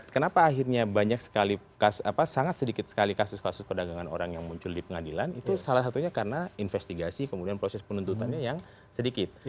kenapa akhirnya banyak sekali sangat sedikit sekali kasus kasus perdagangan orang yang muncul di pengadilan itu salah satunya karena investigasi kemudian proses penuntutannya yang sedikit